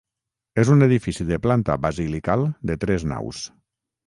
És un edifici de planta basilical de tres naus.